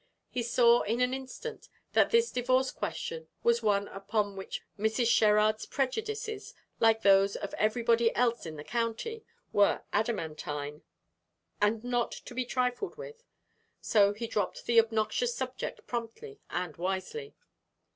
He saw in an instant that this divorce question was one upon which Mrs. Sherrard's prejudices, like those of everybody else in the county, were adamantine, and not to be trifled with; so he dropped the obnoxious subject promptly and wisely.